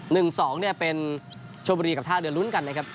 ๑๒เนี่ยเป็นชมบุรีกับท่าเดือนลุ้นกันนะครับ